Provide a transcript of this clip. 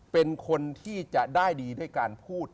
เป็นคนที่จะได้ดีด้วยการพูด